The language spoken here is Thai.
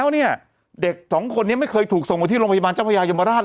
แล้วเนี่ยเด็กสองคนนี้ไม่เคยถูกส่งมาที่โรงพยาบาลเจ้าพญายมราชเลย